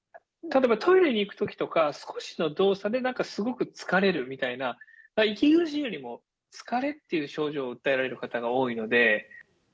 例えばトイレに行くときとか、少しの動作ですごく疲れるみたいな、息苦しいよりも疲れっていう症状を訴えられる方が多いので。